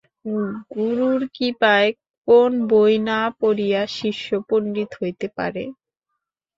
গুরুর কৃপায় কোন বই না পড়িয়াও শিষ্য পণ্ডিত হইতে পারে।